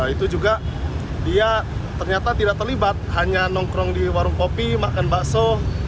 itu juga dia ternyata tidak terlibat hanya nongkrong di warung kopi makan bakso